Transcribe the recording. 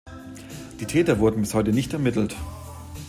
Die Täter wurden bis heute nicht ermittelt.